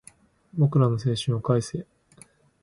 俺らの青春を返せ